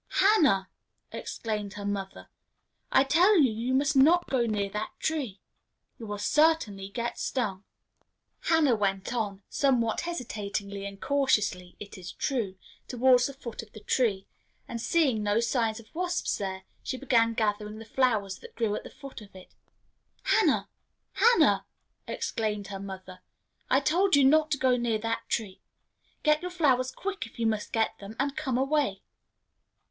"Hannah!" exclaimed her mother, "I tell you that you must not go near that tree. You will certainly get stung." Hannah went on somewhat hesitatingly and cautiously, it is true towards the foot of the tree, and, seeing no signs of wasps there, she began gathering the flowers that grew at the foot of it. "Hannah! Hannah!" exclaimed her mother; "I told you not to go near that tree! Get your flowers quick, if you must get them, and come away."